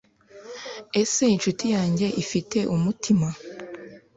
"ese inshuti yanjye ifite umutima,